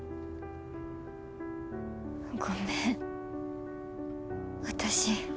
ごめん私。